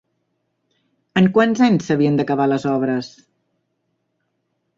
En quants anys s'havien d'acabar les obres?